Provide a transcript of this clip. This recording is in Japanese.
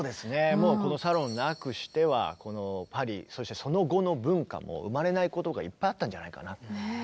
もうこのサロンなくしてはこのパリそしてその後の文化も生まれないことがいっぱいあったんじゃないかな。